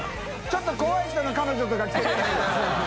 ちょっと怖い人の彼女とか着てるやつ。